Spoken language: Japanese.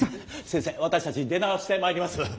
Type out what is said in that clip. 先生私たち出直してまいります。